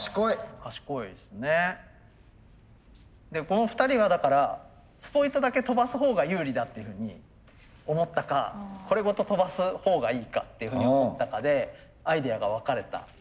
この２人がだからスポイトだけ飛ばすほうが有利だっていうふうに思ったかこれごと飛ばすほうがいいかっていうふうに思ったかでアイデアが分かれた。